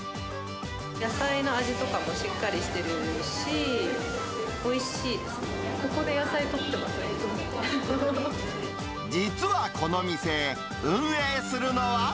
野菜の味とかもしっかりしてここで野菜とってます、実はこの店、運営するのは。